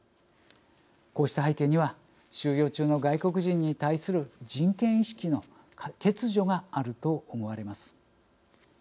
こうした背景には収容中の外国人に対する人権意識の欠如があると思われます。